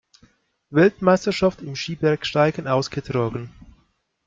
Weltmeisterschaft im Skibergsteigen ausgetragen.